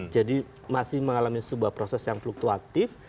jadi masih mengalami sebuah proses yang fluktuatif